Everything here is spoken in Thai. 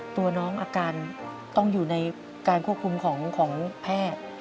ตัวน้องอาการต้องอยู่ในการควบคุมของแพทย์